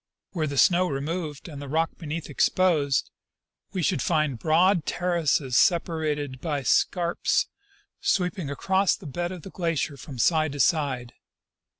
Were the snow removed and the rock be neath exposed, we should find broad terraces separated by scarps sweeping across the bed of the glacier from side to side.